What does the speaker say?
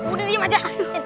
udah diem aja